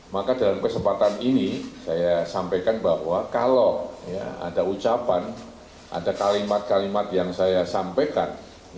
maka dalam kesempatan ini saya sampaikan bahwa kalau ada ucapan ada kalimat kalimat yang saya sampaikan